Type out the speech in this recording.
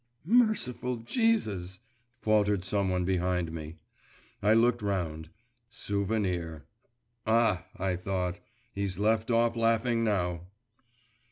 'Merciful Jesus!' faltered some one behind me. I looked round: Souvenir. 'Ah!' I thought, 'he's left off laughing now!